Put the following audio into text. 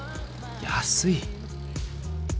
安い。